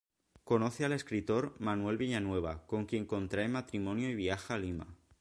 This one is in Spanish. Conoce al escritor Manuel Villanueva, con quien contrae matrimonio y viaja a Lima.